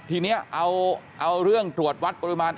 ทีนี้เอาเรื่องตรวจวัดปริมาณ